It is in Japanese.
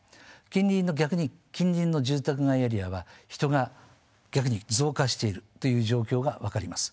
逆に近隣の住宅街エリアは人が逆に増加しているという状況が分かります。